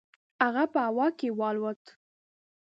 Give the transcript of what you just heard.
هغه په هوا کې والوت.